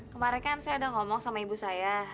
kemarin kan saya udah ngomong sama ibu saya